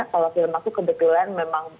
kalau film aku kebetulan memang